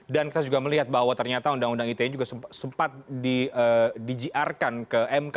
dan kita juga melihat bahwa ternyata undang undang ite ini juga sempat digiarkan ke mk